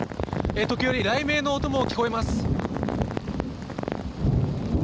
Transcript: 時折、雷鳴の音も聞こえます。